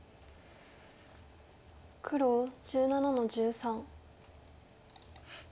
黒１７の十三。